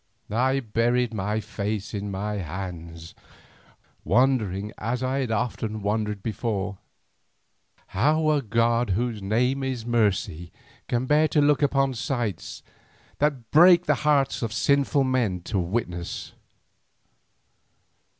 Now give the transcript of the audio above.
I buried my face in my hands, wondering as I had often wondered before, how a God whose name is Mercy can bear to look upon sights that break the hearts of sinful men to witness.